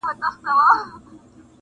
چي یې لاره کي پیدا وږی زمری سو٫